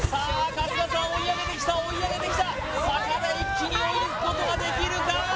春日さん追い上げてきた追い上げてきた坂で一気に追い抜くことができるか